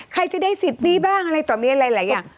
ใครจะได้สิทธิ์นี้บ้างอะไรต่อมีอะไรหลายอย่าง